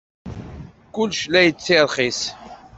Kullec la d-yettirxis.